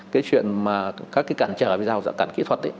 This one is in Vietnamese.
cái chuyện mà các cái cản trở bây giờ là cản kỹ thuật